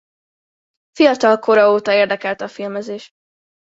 Fiatal kora óta érdekelte a filmezés.